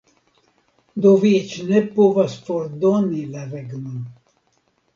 Do vi eĉ ne povas fordoni la regnon.